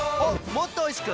もっとおいしく！